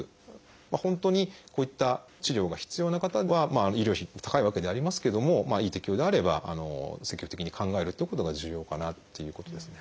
本当にこういった治療が必要な方は医療費高いわけではありますけども適用であれば積極的に考えるってことが重要かなっていうことですね。